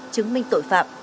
chứng minh tội phạm